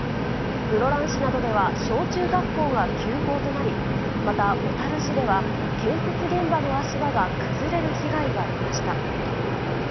室蘭市などでは、小中学校が休校となり、また、小樽市では、建設現場の足場が崩れる被害が出ました。